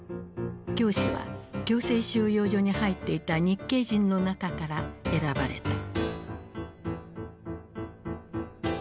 教師は強制収容所に入っていた日系人の中から選ばれた。